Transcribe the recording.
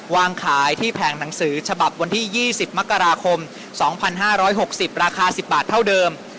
วางขายที่แผงหนังสือฉบับวันที่ยี่สิบมกราคมสองพันห้าร้อยหกสิบราคาสิบบาทเท่าเดิม